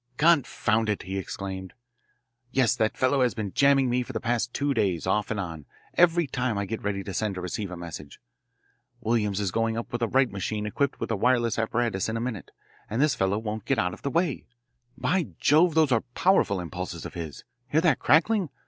"Confound it!" he exclaimed. "Yes, that fellow has been jamming me for the past two days off and on, every time I get ready to send or receive a message. Williams is going up with a Wright machine equipped with wireless apparatus in a minute, and this fellow won't get out of the way. By Jove, though, those are powerful impulses of his. Hear that crackling?